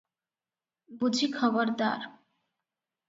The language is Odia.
ବୁଝି ଖବରଦାର!